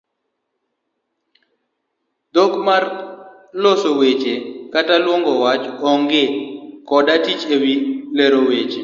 Dhok ma loso weche kata luong'o wach onge' koda tich ewi lero weche.